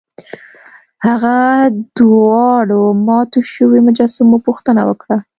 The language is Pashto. هغه د دواړو ماتو شویو مجسمو پوښتنه وکړه.